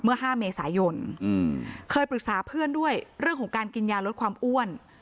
เมื่อห้าเมษายนอืมเคยปรึกษาเพื่อนด้วยเรื่องของการกินยานรถความอ้วน